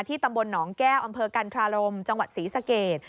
ตำบลหนองแก้วอำเภอกันทรารมจังหวัดศรีสเกต